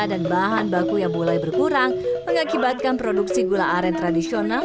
dan bahan baku yang mulai berkurang mengakibatkan produksi gula aren tradisional